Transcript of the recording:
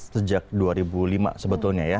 sejak dua ribu lima sebetulnya ya